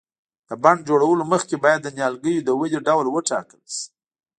د بڼ جوړولو مخکې باید د نیالګیو د ودې ډول وټاکل شي.